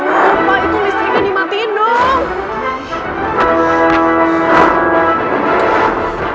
aduh lupa itu listriknya dimatiin dong